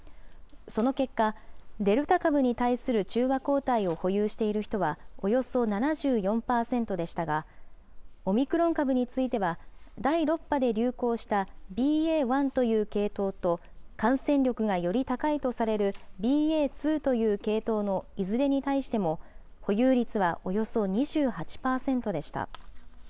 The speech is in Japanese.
その結果、デルタ株に対する中和抗体を保有している人は、およそ７４％でしたが、オミクロン株については、第６波で流行したＢＡ．１という系統と、感染力がより高いとされるＢＡ．２という系統のいずれに対しても、保有率はおよそ２８％でした。